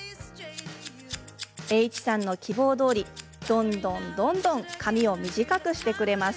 Ｈさんの希望どおり、どんどんどんどん髪を短くしてくれます。